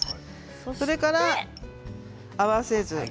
それから合わせ酢。